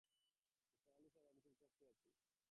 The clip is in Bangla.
নিসার আলি সাহেব, আমি খুব কষ্ট আছি।